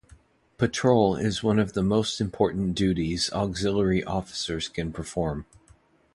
Patrol is one of the most important duties Auxiliary officers can perform.